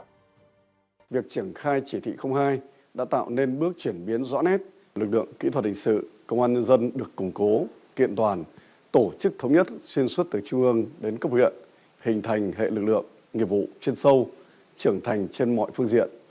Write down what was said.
đặc biệt một trong những đột phá của chỉ thị phong hai đã tạo nên bước chuyển biến rõ nét lực lượng kỹ thuật hình sự công an nhân dân được củng cố kiện toàn tổ chức thống nhất xuyên xuất từ trung ương đến cấp huyện hình thành hệ lực lượng nghiệp vụ trên sâu trưởng thành trên mọi phương diện